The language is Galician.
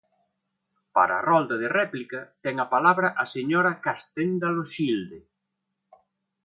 Para a rolda de réplica ten a palabra a señora Castenda Loxilde.